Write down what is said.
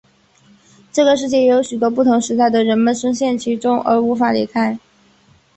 这个世界也有许多不同时代的人们身陷其中而无法离开。